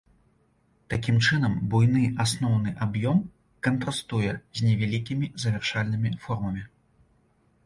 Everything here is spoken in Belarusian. Такім чынам, буйны асноўны аб'ём кантрастуе з невялікімі завяршальнымі формамі.